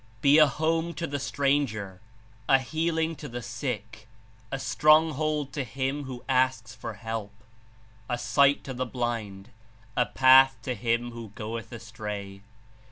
Be a home to the stranger, a healing to the sick, a strong hold to him who asks for help, a sight to the blind, a path to him who goeth astray.